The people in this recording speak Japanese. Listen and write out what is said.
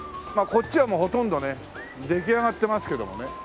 こっちはもうほとんどね出来上がってますけどもね。